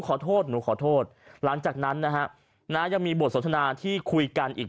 ขอโทษหนูขอโทษหลังจากนั้นนะฮะยังมีบทสนทนาที่คุยกันอีก